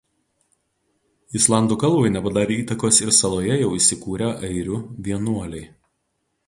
Islandų kalbai nepadarė įtakos ir saloje jau įsikūrę airių vienuoliai.